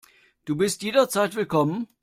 Du bist jederzeit willkommen.